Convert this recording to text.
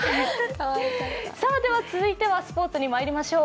続いてはスポーツにまいりましょう。